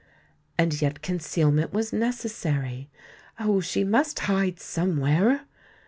And yet concealment was necessary—oh! she must hide somewhere!